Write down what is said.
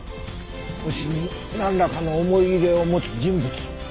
星になんらかの思い入れを持つ人物？